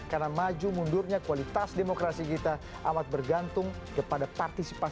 karena maju mundurnya kualitas demokrasi kita amat bergantung kepada partisipasi anda